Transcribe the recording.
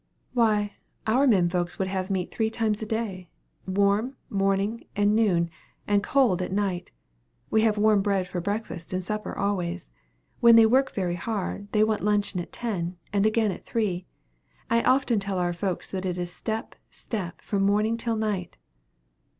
"Why, our men folks will have meat three times a day warm, morning and noon, and cold at night. We have warm bread for breakfast and supper, always. When they work very hard, they want luncheon at ten, and again at three. I often tell our folks that it is step, step, from morning till night."